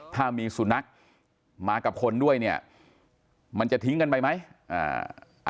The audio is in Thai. ถ้ามีสุนัขมากับคนด้วยเนี่ยมันจะทิ้งกันไปไหมอ่า